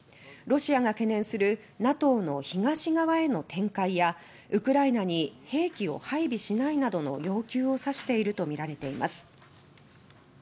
ロシアが懸念するＮＡＴＯの東側への展開やウクライナに兵器を配備しないなどの要求を指しているとみられています。